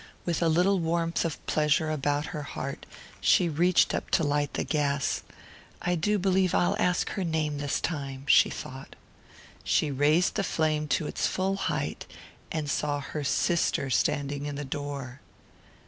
With a little warmth of pleasure about her heart she reached up to light the gas. "I do believe I'll ask her name this time," she thought. She raised the flame to its full height, and saw her sister standing in the door.